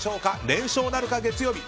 連勝なるか、月曜日。